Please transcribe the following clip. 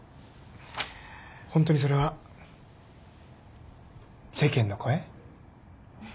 ホントにそれは世間の声？